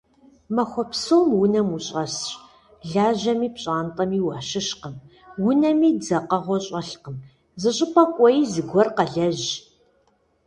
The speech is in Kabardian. Махуэ псом унэм ущӀэсщ, лажьэми пщӀантӀэми уащыщкъым, унэми дзэкъэгъуэ щӀэлъкым, зыщӀыпӀэ кӀуэи, зыгуэр къэлэжь.